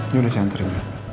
ya udah saya anterin dulu